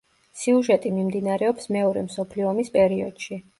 სიუჟეტი მიმდინარეობს მეორე მსოფლიო ომის პერიოდში.